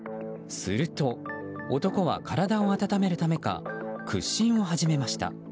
すると男は、体を温めるためか屈伸を始めました。